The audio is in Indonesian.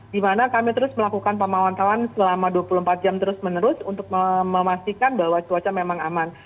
di mana kami terus melakukan pemantauan selama dua puluh empat jam terus menerus untuk memastikan bahwa cuaca memang aman